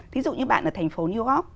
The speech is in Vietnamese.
thí dụ như bạn ở thành phố new york